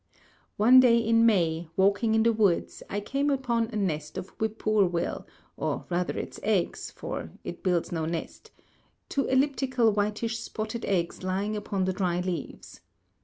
One day in May, walking in the woods, I came upon a nest of whippoorwill, or rather its eggs, for it builds no nest, two elliptical whitish spotted eggs lying upon the dry leaves.